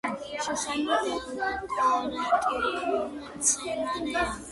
შროშანა დეკორატიული მცენარეა.